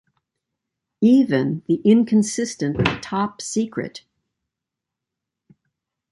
Even the inconsistent Top Secret!